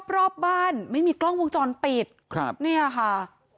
รอบบ้านไม่มีกล้องวงจรปิดครับเนี่ยค่ะ